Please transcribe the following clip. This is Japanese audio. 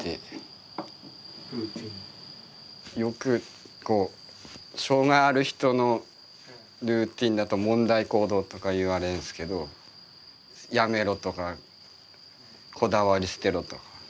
よくこう障害ある人のルーティンだと問題行動とか言われるんですけどやめろとかこだわり捨てろとか。